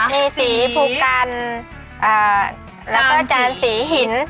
มีสีภูกันแล้วก็จานสีหิน